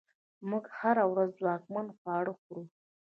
موږ هره ورځ ځواکمن خواړه خورو.